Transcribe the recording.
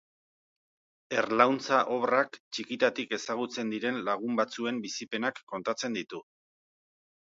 Erlauntza obrak txikitatik ezagutzen diren lagun batzuen bizipenak kontatzen ditu.